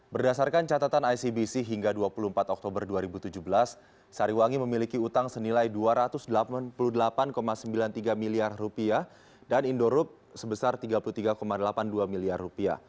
berdasarkan catatan icbc hingga dua puluh empat oktober dua ribu tujuh belas sariwangi memiliki utang senilai rp dua ratus delapan puluh delapan sembilan puluh tiga miliar dan indorup sebesar rp tiga puluh tiga delapan puluh dua miliar